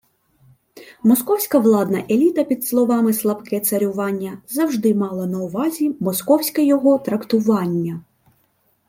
Московська владна еліта під словами «слабке царювання» завжди мала на увазі московське його трактування